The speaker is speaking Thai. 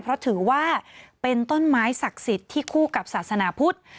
เพราะถือว่าเป็นต้นไม้ศักดิ์สิทธิ์ที่คู่กับศาสนาพุทธ